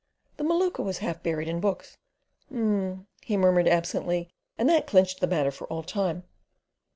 The Maluka was half buried in books. "Um," he murmured absently, and that clinched the matter for all time.